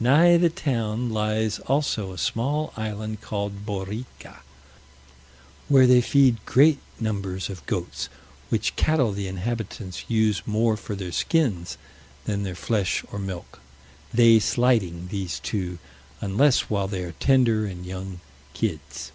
Nigh the town lies also a small island called Borrica, where they feed great numbers of goats, which cattle the inhabitants use more for their skins than their flesh or milk; they slighting these two, unless while they are tender and young kids.